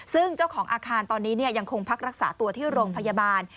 ซึ่งเจ้าของอาคารตอนนี้ยังคงพักรักษาตัวที่โรงพยาบาล